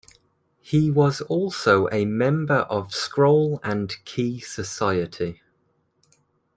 He was also a member of Scroll and Key Society.